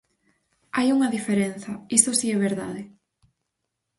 Hai unha diferenza, iso si é verdade.